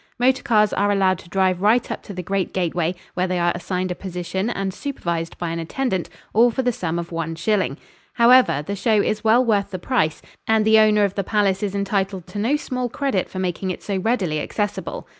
Motor cars are allowed to drive right up to the great gateway, where they are assigned a position and supervised by an attendant, all for the sum of one shilling. However, the show is well worth the price, and the owner of the palace is entitled to no small credit for making it so readily accessible.